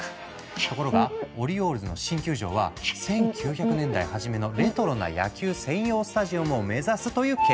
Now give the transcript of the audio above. ところがオリオールズの新球場は１９００年代初めのレトロな野球専用スタジアムを目指すという計画。